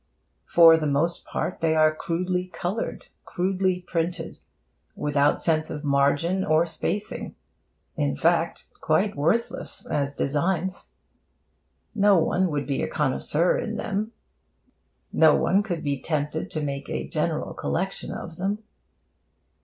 For the most part, they are crudely coloured, crudely printed, without sense of margin or spacing; in fact, quite worthless as designs. No one would be a connoisseur in them. No one could be tempted to make a general collection of them.